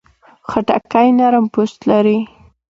خټکی نرم پوست لري.